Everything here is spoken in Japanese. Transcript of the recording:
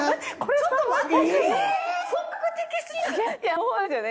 ちょっと待って。